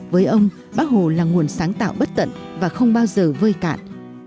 với ông bác hồ là nguồn sáng tạo bất tận và không bao giờ vơi cạn